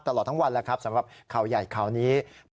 ตลอดทั้งวันแล้วครับสำหรับข่าวใหญ่ข่าวนี้